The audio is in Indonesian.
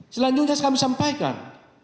selanjutnya kami sampaikan